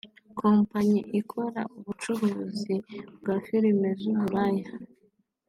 kompanyi ikora ubucuruzi bwa film z’ubusambanyi